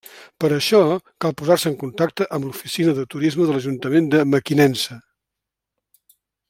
Per a això, cal posar-se en contacte amb l'Oficina de Turisme de l'Ajuntament de Mequinensa.